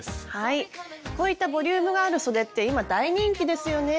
こういったボリュームがあるそでって今大人気ですよね。